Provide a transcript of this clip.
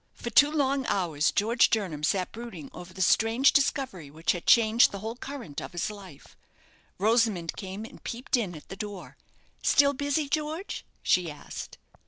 For two long hours George Jernam sat brooding over the strange discovery which had changed the whole current of his life. Rosamond came and peeped in at the door. "Still busy, George?" she asked.